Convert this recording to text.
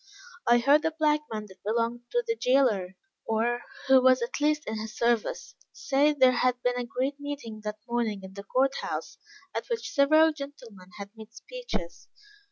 I heard a black man that belonged to the jailer, or, who was at least in his service, say that there had been a great meeting that morning in the court house, at which several gentlemen had made speeches.